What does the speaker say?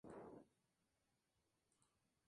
Club; Proc.